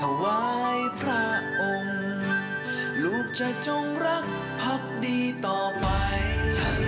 ท่านคือพระราชาในรุ่นของภูมิประชาชาไทยภูมิสฤทธิ์ในหัวใจและรอดมา